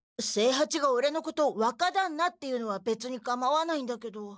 清八がオレのこと「わかだんな」っていうのはべつにかまわないんだけど。